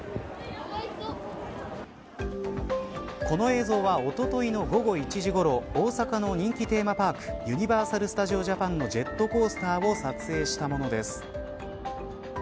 この映像はおとといの午後１時ごろ大阪の人気テーマパークユニバーサル・スタジオ・ジャパンのジェットコースターを撮影したものです。